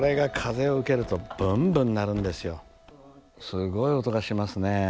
すごい音がしますね。